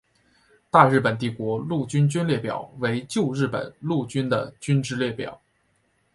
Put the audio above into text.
大日本帝国陆军军列表为旧日本陆军的军之列表。